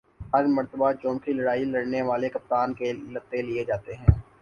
ہر مرتبہ چومکھی لڑائی لڑنے والے کپتان کے لتے لیے جاتے ہیں ۔